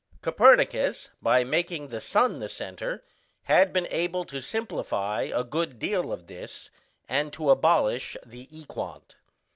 Copernicus, by making the sun the centre, had been able to simplify a good deal of this, and to abolish the equant.